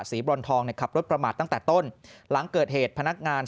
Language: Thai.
บรอนทองเนี่ยขับรถประมาทตั้งแต่ต้นหลังเกิดเหตุพนักงาน